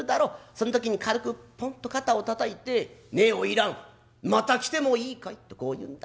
そん時に軽くポンと肩をたたいて『ねえ花魁また来てもいいかい？』とこう言うんだ。